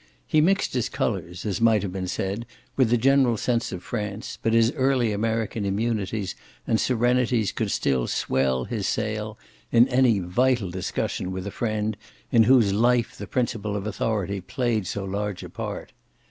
He mixed his colours, as might have been said, with the general sense of France, but his early American immunities and serenities could still swell his sail in any "vital" discussion with a friend in whose life the principle of authority played so large a part.